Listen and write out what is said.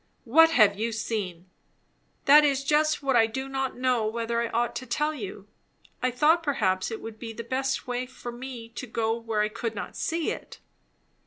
"What have you seen?" "That is just what I do not know whether I ought to tell you. I thought, perhaps it would be the best way for me to go where I could not see it."